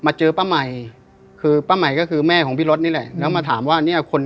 เจอป้าใหม่คือป้าใหม่ก็คือแม่ของพี่รถนี่แหละแล้วมาถามว่าเนี่ยคน